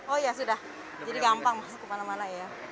oh ya sudah jadi gampang masuk kemana mana ya